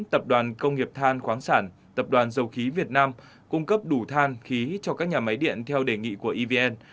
tập đoàn công nghiệp than khoáng sản tập đoàn dầu khí việt nam cung cấp đủ than khí cho các nhà máy điện theo đề nghị của evn